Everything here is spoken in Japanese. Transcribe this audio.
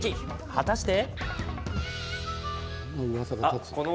果たして。